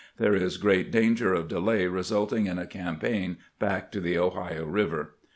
There is great danger of delay resulting in a campaign back to the Ohio River."